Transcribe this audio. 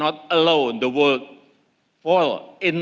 kita tidak harus membiarkan dunia